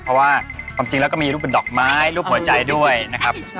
เพราะว่าความจริงแล้วก็มีรูปเป็นดอกไม้รูปหัวใจด้วยนะครับ